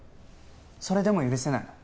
それでも許せないの？